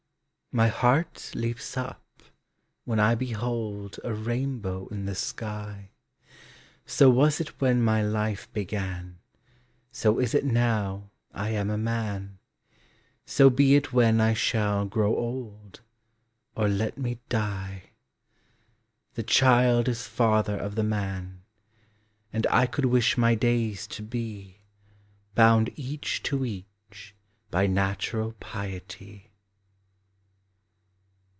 My heart leaps up when I behold A rainbow in the sky; So was it when my life began, So is it now I am a man. So be it when I shall grow old, Or let me die! The Child is father of the Man; And I could wish my days to be Bound each to each by natural piety.